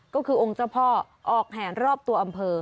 ก็คือองค์เจ้าพ่อออกแหนรอบตัวอำเภอ